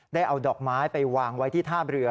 ได้เอาดอกไม้ไปวางไว้ที่ท่าเรือ